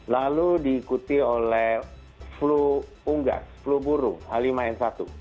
lalu diikuti oleh flu unggas flu burung h lima n satu